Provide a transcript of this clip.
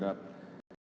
dari satu jam belum